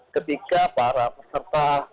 ketika para peserta